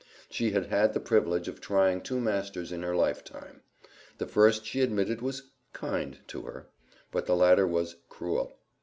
She had had the privilege of trying two masters in her life time; the first she admitted was "kind" to her, but the latter was "cruel."